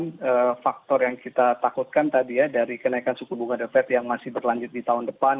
dan faktor yang kita takutkan tadi ya dari kenaikan suku bunga defek yang masih berlanjut di tahun depan